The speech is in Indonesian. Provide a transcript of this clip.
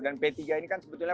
dan p tiga ini kan sebetulnya